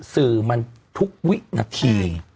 สื่อมันทุกวินาที